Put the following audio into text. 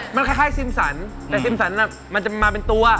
มันคล้ายซิมสันแต่ซิมสันมันจะมาเป็นตัว